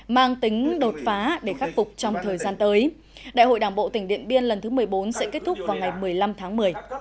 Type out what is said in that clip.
mang tính đột phá để khắc phục trong thời gian tới đại hội đảng bộ tỉnh điện biên lần thứ một mươi bốn sẽ kết thúc vào ngày một mươi năm tháng một mươi